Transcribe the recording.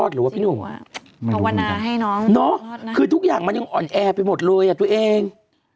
ซึ่งคือทุกอย่างยังอ่อนแอไปหมดเลยอ่ะตัวเอง